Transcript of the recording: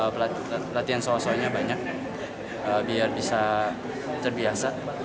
berarti latihan soal soalnya banyak biar bisa terbiasa